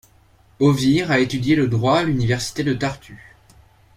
Oviir a étudié le droit à l'université de Tartu.